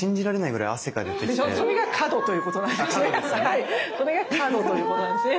はいそれが過度ということなんですね。